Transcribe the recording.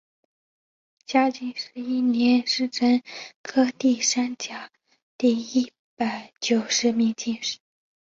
嘉靖十一年壬辰科第三甲第一百九十名进士。